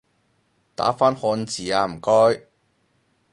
打返漢字吖唔該